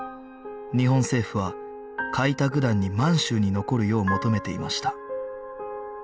日本政府は開拓団に満州に残るよう求めていました